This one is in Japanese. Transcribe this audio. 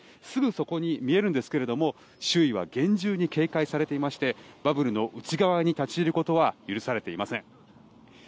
すぐそこに見えるんですけれども周囲は厳重に警戒されていましてバブルの内側に立ち入ることは許されていません。